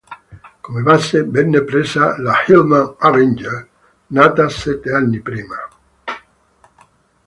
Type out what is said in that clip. Come base venne presa la Hillman Avenger, nata sette anni prima.